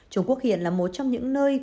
trung quốc hiện là một trong những nơi